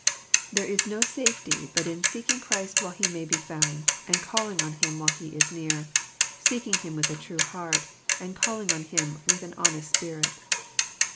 There is no safety but in seeking Christ while He may be found, and calling on Him while He is near, — seeking Him with a true heart, and calling on Him with an honest spirit.